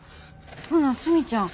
ほなスミちゃん